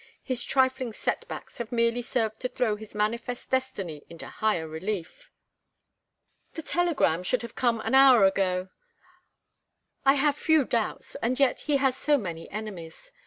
His trifling set backs have merely served to throw his manifest destiny into higher relief." "The telegram should have come an hour ago. I have few doubts and yet he has so many enemies.